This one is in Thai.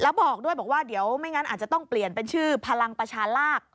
แล้วบอกด้วยบอกว่าเดี๋ยวไม่งั้นอาจจะต้องเปลี่ยนเป็นชื่อพลังประชาลาก